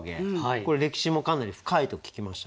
これ歴史もかなり深いと聞きましたが。